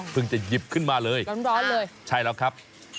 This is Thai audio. จะหยิบขึ้นมาเลยร้อนเลยใช่แล้วครับ